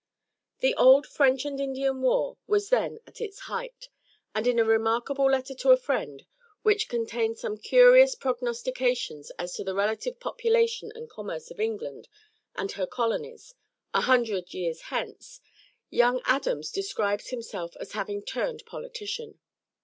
The old French and Indian war was then at its height; and in a remarkable letter to a friend, which contains some curious prognostications as to the relative population and commerce of England and her colonies a hundred years hence, young Adams describes himself as having turned politician.